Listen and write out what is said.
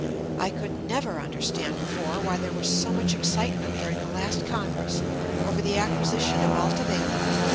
I could never understand before why there was so much excitement during the last Congress over the acquisition of Alta Vela.